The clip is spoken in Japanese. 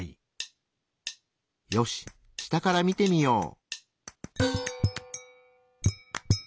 よし下から見てみよう！